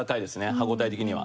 歯応え的には。